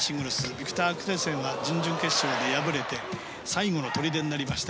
ビクター・アクセルセンは準々決勝で敗れて最後の砦になりました。